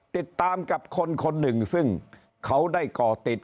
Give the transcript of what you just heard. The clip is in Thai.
ติดตามกับคนคนหนึ่งซึ่งเขาได้ก่อติด